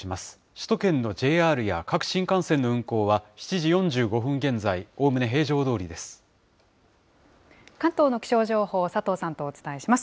首都圏のＪＲや各新幹線の運行は７時４５分現在、おおむね平常ど関東の気象情報を佐藤さんとお伝えします。